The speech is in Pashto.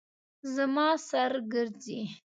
زما سر ګرځي